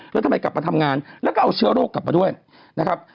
แล้วทำไมกลับมาทำงานแล้วก็เอาเชื้อโรคกลับมาด้วยนะครับ